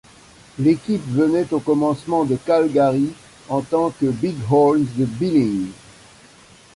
L'équipe venait au commencement de Calgary en tant que'Bighorns de Billings.